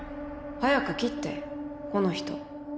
早く切ってこの人